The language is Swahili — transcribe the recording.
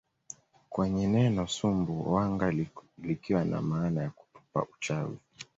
kwenye neno Sumbu wanga likiwa namaana ya tupa uchawi